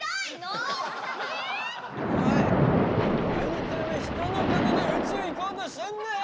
おい何てめえ人の金で宇宙行こうとしてんだよ！